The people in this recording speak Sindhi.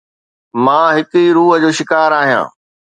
مان هڪ ئي روح جو شڪار آهيان